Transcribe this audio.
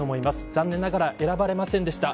残念ながら選ばれませんでした。